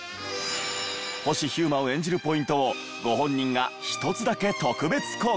星飛雄馬を演じるポイントをご本人が１つだけ特別公開。